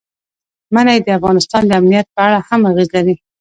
منی د افغانستان د امنیت په اړه هم اغېز لري.